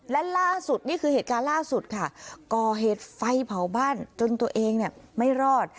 และล่าสุดนี่คือเหตุการณ์ล่าสุดค่ะก่อเหตุไฟเผาบ้านจนตัวเองเนี่ยไม่รอด